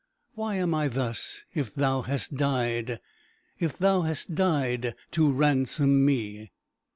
Why am I thus, if Thou hast died If Thou hast died to ransom me?"